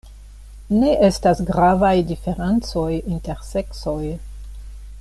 Ne estas gravaj diferencoj inter seksoj.